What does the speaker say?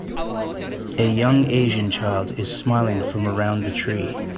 A young Asian child is smiling from around the tree.